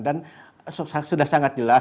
dan sudah sangat jelas